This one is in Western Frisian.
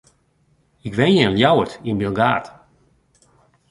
Ik wenje yn Ljouwert, yn Bilgaard.